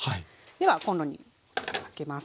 ではコンロにかけます。